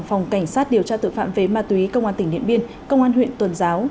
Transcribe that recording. phòng cảnh sát điều tra tội phạm về ma túy công an tỉnh điện biên công an huyện tuần giáo